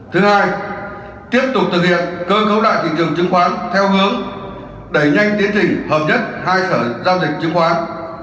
thứ hai tiếp tục thực hiện cơ cấu lại thị trường chứng khoán theo hướng đẩy nhanh tiến trình hợp nhất hai sở giao dịch chứng khoán